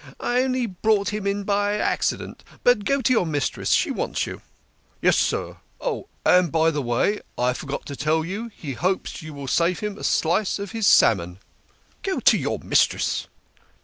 " I only brought him in by accident. But go to your mistress ! She wants you." " Yes, sir. Oh, by the way, I forgot to tell you he hopes you will save him a slice of his salmon." " Go to your mistress